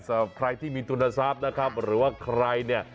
สำหรับใครที่มีทุนทรัพย์นะครับหรือว่าใครเนี่ย